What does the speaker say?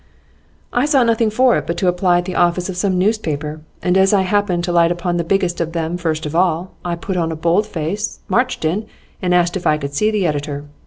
'I saw nothing for it but to apply at the office of some newspaper, and as I happened to light upon the biggest of them first of all, I put on a bold face, marched in, asked if I could see the editor.